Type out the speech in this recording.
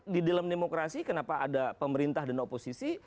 di dalam demokrasi kenapa ada pemerintah dan oposisi